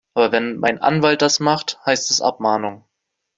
Aber wenn mein Anwalt das macht, heißt es Abmahnung.